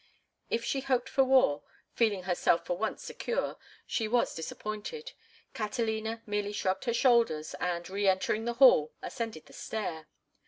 If she hoped for war, feeling herself for once secure, she was disappointed. Catalina merely shrugged her shoulders and, re entering the hall, ascended the stair.